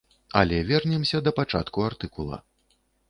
Але вернемся да пачатку артыкула.